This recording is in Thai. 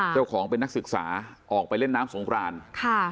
เจ้าของเป็นนักศึกษาออกไปเล่นน้ำสงครานค่ะ